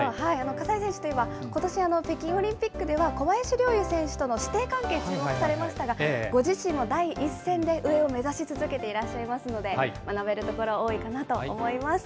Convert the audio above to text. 葛西選手といえば、ことし、北京オリンピックでは小林陵侑選手との師弟関係、注目されましたが、ご自身も第一線で上を目指し続けていらっしゃいますので、学べるところ、多いかなと思います。